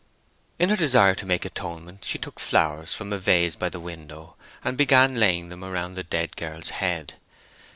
In her desire to make atonement she took flowers from a vase by the window, and began laying them around the dead girl's head.